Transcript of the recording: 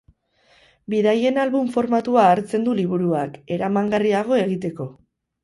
Bidaien album formatua hartzen du liburuak, eramangarriago egiteko.